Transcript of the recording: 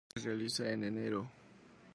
Se realiza en enero.